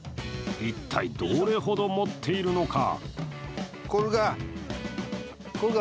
一体、どれほど持っているのか。